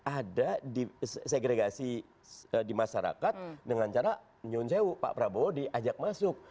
ada segregasi di masyarakat dengan cara nyunsewu pak prabowo diajak masuk